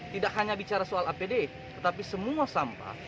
tidak hanya bicara soal apd tetapi semua sampah